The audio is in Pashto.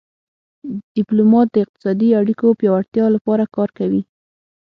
ډیپلومات د اقتصادي اړیکو پیاوړتیا لپاره کار کوي